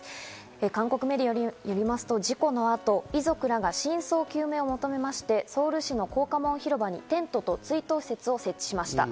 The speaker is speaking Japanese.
韓国メディアによりますと事故後、遺族らが真相究明を求めてソウル市の光化門広場にテントと追悼施設を設置しました。